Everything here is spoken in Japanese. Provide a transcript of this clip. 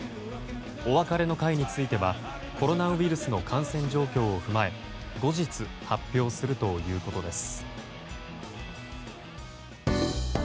お別れの会についてはコロナウイルスの感染状況を踏まえ後日、発表するということです。